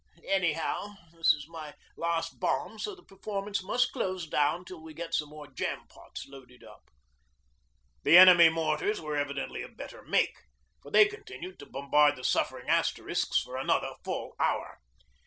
Anyhow, this is my last bomb, so the performance must close down till we get some more jam pots loaded up.' The enemy mortars were evidently of better make, for they continued to bombard the suffering Asterisks for another full hour.